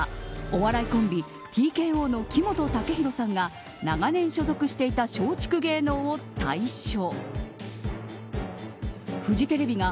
お笑いコンビＴＫＯの木本武宏さんが長年所属していた松竹芸能を退所。